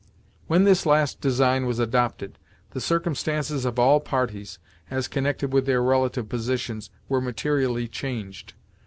When this last design was adopted, the circumstances of all parties, as connected with their relative positions, were materially changed.